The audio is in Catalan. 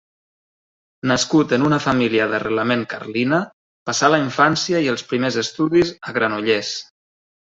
Nascut en una família d'arrelament carlina, passà la infància i els primers estudis a Granollers.